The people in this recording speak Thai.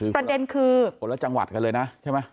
ประเด็นคือคนละจังหวัดกันเลยนะใช่ไหม